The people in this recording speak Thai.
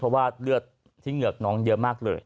เพราะว่าเลือดที่เหงือกน้องเยอะมากเลย